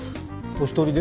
お一人で？